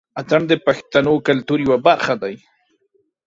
اتڼ د پښتنو کلتور يوه برخه دى.